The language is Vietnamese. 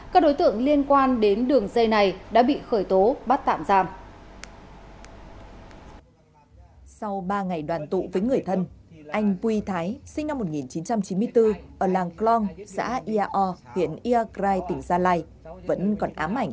các đối tượng liên quan đến đường dây này đã bị khởi tố bắt tạm giam